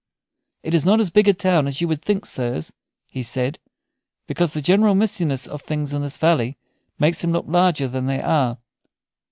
"It is not as big a town as you would think, sirs," he said, "because the general mistiness of things in this valley makes them look larger than they are.